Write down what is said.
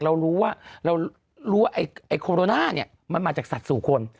เรารู้ว่าไอ้โคโรนามันมาจากสัตว์สู่คน